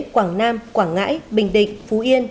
quảng nam quảng ngãi bình định phú yên